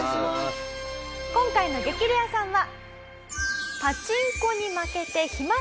今回の激レアさんは。